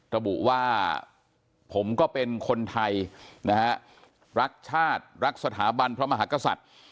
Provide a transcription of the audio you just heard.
ระบุว่าผมก็เป็นคนไทยนะฮะรักชาติรักสถาบันพระมหากษัตริย์